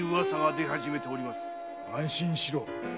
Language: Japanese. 安心しろ。